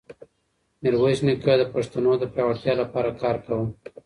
میرویس نیکه د پښتنو د پیاوړتیا لپاره کار کاوه.